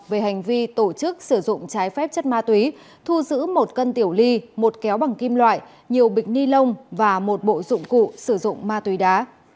về hành vi tổ chức sử dụng trái phép chất ma túy thu giữ một cân tiểu ly một kéo bằng kim loại nhiều bịch ni lông và một bộ dụng cụ sử dụng ma túy đá